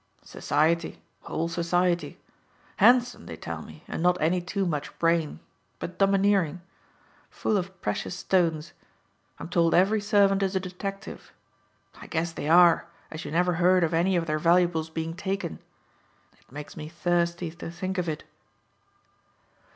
"Society all Society. Handsome, they tell me, and not any too much brain, but domineering. Full of precious stones. I'm told every servant is a detective. I guess they are, as you never heard of any of their valuables being taken. It makes me thirsty to think of it."